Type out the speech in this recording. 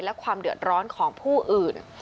และความเดือดร้อนของผู้อื่น